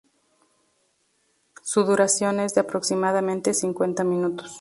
Su duración es de aproximadamente cincuenta minutos.